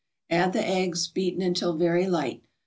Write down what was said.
Add the eggs, beaten until very light.